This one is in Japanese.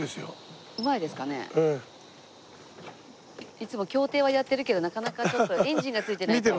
いつも競艇はやってるけどなかなかちょっとエンジンが付いてないと。